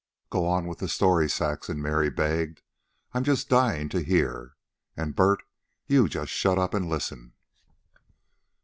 "Go on with the story, Saxon," Mary begged. "I'm just dyin' to hear. And Bert, you just shut up and listen."